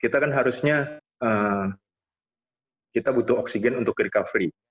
kita kan harusnya kita butuh oksigen untuk recovery